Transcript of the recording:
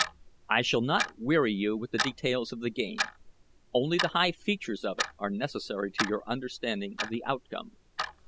I shall not weary you with the details of the game only the high features of it are necessary to your understanding of the outcome.